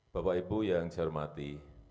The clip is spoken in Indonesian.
bapak ibu yang saya hormati